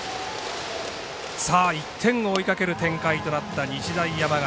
１点を追いかける展開となった日大山形。